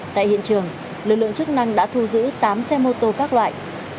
tại hiện trường lực lượng chức năng đã thu giữ tám xe mô tô các loại